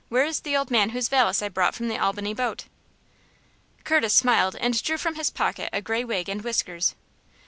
Where is the old man whose valise I brought from the Albany boat?" Curtis smiled, and drew from his pocket a gray wig and whiskers.